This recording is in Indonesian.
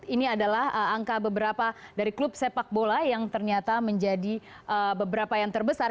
ini adalah angka beberapa dari klub sepak bola yang ternyata menjadi beberapa yang terbesar